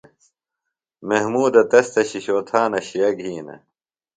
محمودہ تس تھےۡ شِشو تھانہ شئے گِھینہ۔